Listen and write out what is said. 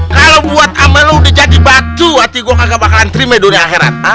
kalau buat amelo udah jadi batu hati gue gak bakalan terima dunia akhirat